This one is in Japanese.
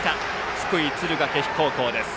福井・敦賀気比高校です。